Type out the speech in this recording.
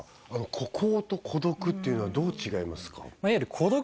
孤高と孤独っていうのはどう違いますか？